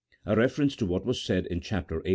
A reference to what was said in Chap. VIII.